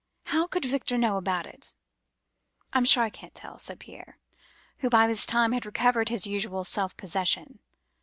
How could Victor know about it?' "'I am sure I can't tell,' said Pierre, who by this time had recovered his usual self possession.